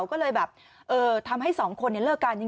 ก็เลยแบบทำให้สองคนเลิกกัน